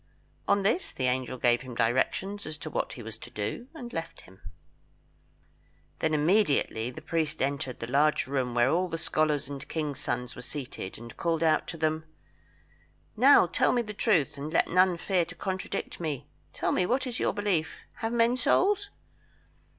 On this the angel gave him directions as to what he was to do, and left him. Then immediately the priest entered the large room where all the scholars and the kings' sons were seated, and called out to them "Now, tell me the truth, and let none fear to contradict me; tell me what is your belief have men souls?"